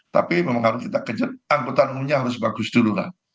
tapi memang harus kita kejar angkutan umumnya harus bagus dulu kan